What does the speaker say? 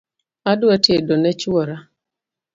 Adwa tedo ne chwora